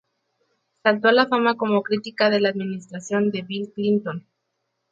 Saltó a la fama como crítica de la administración de Bill Clinton.